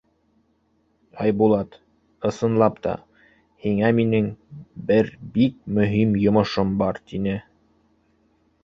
— Айбулат, ысынлап та, һиңә минең бер бик мөһим йомошом бар, — тине.